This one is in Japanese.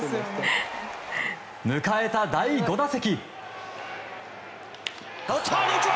迎えた第５打席。